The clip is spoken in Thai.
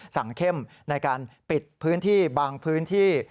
เข้มในการปิดพื้นที่บางพื้นที่